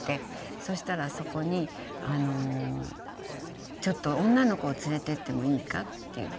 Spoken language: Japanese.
そしたらそこに「ちょっと女の子を連れて行ってもいいか？」って言って。